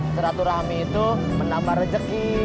seratu rami itu menambah rejeki